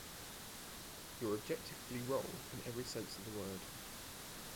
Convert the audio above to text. You're objectively wrong in every sense of the word